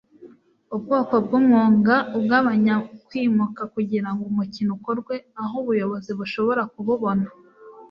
Ubwoko bwumwuga ugabanya kwimuka kugirango umukino ukorwe aho ubuyobozi bushobora kububona